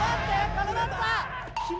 絡まった！